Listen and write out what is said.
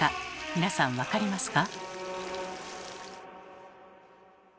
皆さん分かりますか？